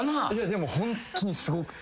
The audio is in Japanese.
でもホントにすごくて。